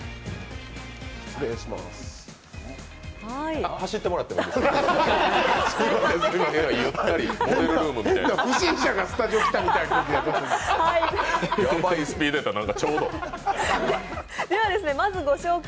あ走ってもらっていいですか？